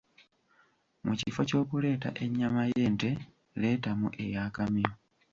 Mu kifo ky'okuleeta ennyama y'ente leetamu ey'akamyu.